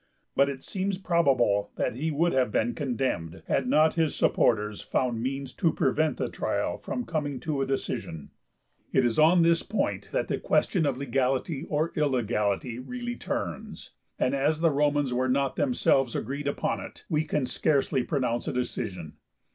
But it seems probable that he would have been condemned, had not his supporters found means to prevent the trial from coming to a decision. It is on this point that the question of legality or illegality really turns, and as the Romans were not themselves agreed upon it, we can scarcely pronounce a decision.